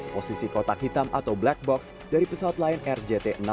posisi kotak hitam atau black box pesawat lion air jt enam ratus sepuluh pklkp pun mulai terdeteksi